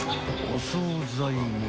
［お総菜も］